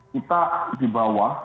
kita di bawah